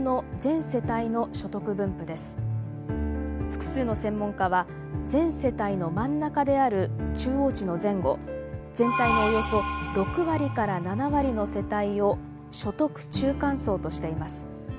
複数の専門家は全世帯の真ん中である中央値の前後全体のおよそ６割から７割の世帯を所得中間層としています。